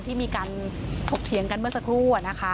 ที่มีการถกเถียงกันเมื่อสักครู่นะคะ